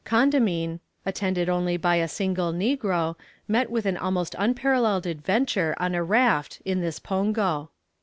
Condamine, attended only by a single negro, met with an almost unparalleled adventure on a raft in this pongo.